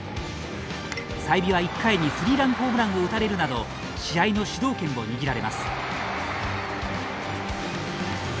済美は、１回にスリーランホームランを打たれるなど試合の主導権を握られます。